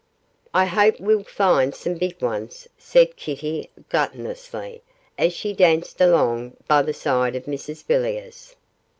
'I hope we'll find some big ones,' said Kitty, gluttonously, as she danced along by the side of Mrs Villiers.